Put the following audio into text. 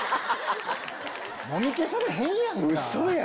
もみ消されへんやんか。